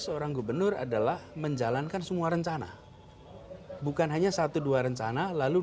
seorang gubernur adalah menjalankan semua rencana bukan hanya satu dua rencana lalu